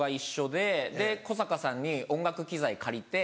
で古坂さんに音楽機材借りて。